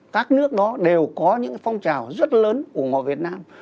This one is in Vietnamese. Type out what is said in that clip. các nước đó đều có những phong trào rất lớn ủng hộ việt nam